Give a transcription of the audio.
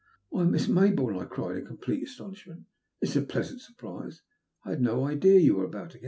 "Why, Miss Mayboume!" I cried, in complete astonishment, "this is a pleasant surprise. I had no idea you were about again.